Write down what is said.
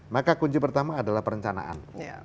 maka kunci pertama adalah perencanaan